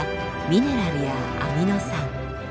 ミネラルやアミノ酸。